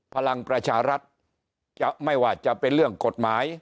พลังประชารัฐจะไม่ว่าจะเป็นเรื่องกฎหมาย